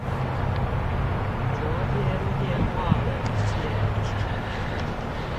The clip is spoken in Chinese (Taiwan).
昨天電話聊天